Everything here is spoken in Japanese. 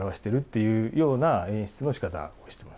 いうような演出のしかたをしてます。